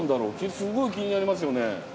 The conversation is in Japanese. すごい気になりますよね。